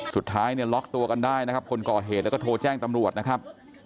สุดท้ายเนี่ยล็อกตัวกันได้นะครับคนก่อเหตุแล้วก็โทรแจ้งตำรวจนะครับ